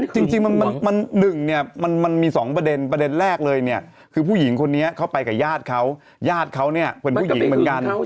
จริงมันหนึ่งเนี่ยมันมี๒ประเด็นประเด็นแรกเลยเนี่ยคือผู้หญิงคนนี้เข้าไปกับญาติเขาญาติเขาเนี่ยเป็นผู้หญิงเหมือนกัน